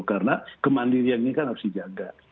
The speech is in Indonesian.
karena kemandirian ini kan harus dijaga